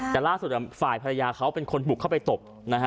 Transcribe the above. แต่ล่าสุดฝ่ายภรรยาเขาเป็นคนบุกเข้าไปตบนะฮะ